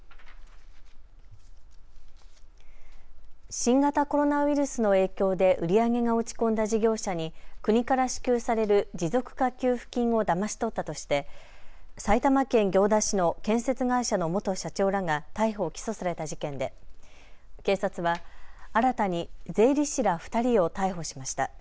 新型コロナウイルスの影響で売り上げが落ち込んだ事業者に国から支給される持続化給付金をだまし取ったとして埼玉県行田市の建設会社の元社長らが逮捕・起訴された事件で警察は新たに税理士ら２人を逮捕しました。